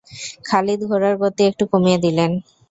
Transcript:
খালিদ ঘোড়ার গতি একটু কমিয়ে দিলেন।